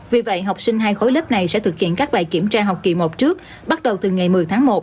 vì vậy học sinh hai khối lớp này sẽ thực hiện các bài kiểm tra học kỳ một trước bắt đầu từ ngày một mươi tháng một